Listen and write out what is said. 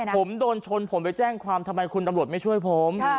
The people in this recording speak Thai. ผมโดนชนผมไปแจ้งความทำไมคุณตำรวจไม่ช่วยผม